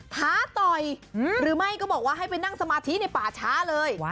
ท้าต่อยหรือไม่ก็บอกว่าให้ไปนั่งสมาธิในป่าช้าเลย